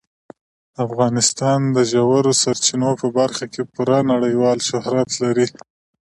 افغانستان د ژورو سرچینو په برخه کې پوره نړیوال شهرت لري.